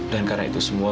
dan karena itu semua